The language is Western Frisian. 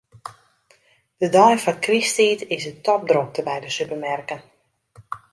De dei foar krysttiid is it topdrokte by de supermerken.